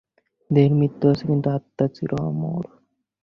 দেহের মৃত্যু আছে, কিন্তু আত্মা চির অমর।